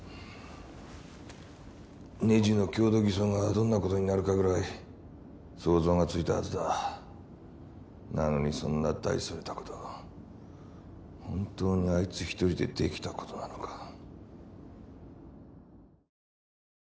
ネジの強度偽装がどんなことになるかぐらい想像がついたはずだなのにそんな大それたこと本当にあいつ一人でできたことなのか？